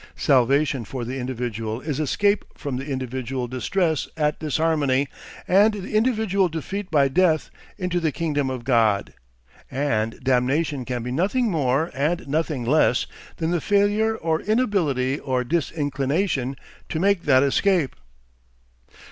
Salvation for the individual is escape from the individual distress at disharmony and the individual defeat by death, into the Kingdom of God. And damnation can be nothing more and nothing less than the failure or inability or disinclination to make that escape.